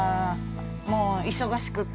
もう忙しくって。